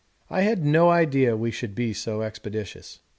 I had no idea we should be so expeditious.